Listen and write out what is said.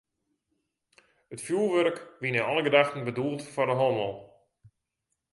It fjoerwurk wie nei alle gedachten bedoeld foar de hannel.